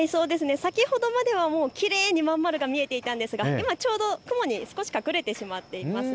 先ほどまではまん丸が見えていたんですが、今ちょうど、雲に少し隠れてしまっています。